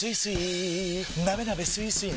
なべなべスイスイ